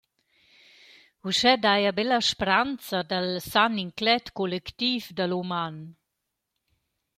Uschè daja be la spranza dal san inclet collectiv da l’uman.